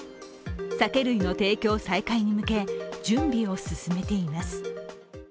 酒類の提供再開に向け、準備を進めています。